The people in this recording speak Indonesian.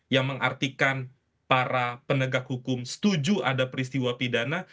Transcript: yang mengartikan para penegak hukum setuju ada peristiwa pidana